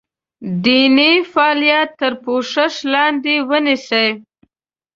دیني فعالیت تر پوښښ لاندې ونیسي.